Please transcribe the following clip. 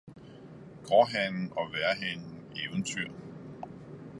Gårdhanen og vejrhanen Eventyr